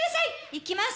いきます！